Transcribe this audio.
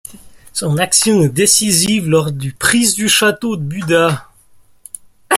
Son action est décisive lors du prise du château de Buda.